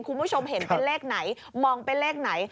คุณผู้ชมเห็นเป็นเลขไหนมองเป็นเลขไหน